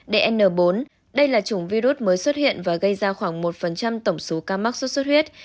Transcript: dn bốn đây là chủng virus mới xuất hiện và gây ra khoảng một tổng số ca mắc sốt xuất huyết